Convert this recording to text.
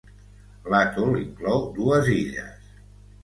L'atol inclou dues illes.